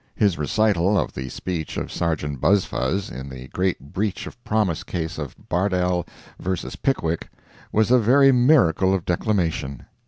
His recital of the speech of Sergeant Buzfuz, in the great breach of promise case of Bardell vs. Pickwick, was a very miracle of declamation.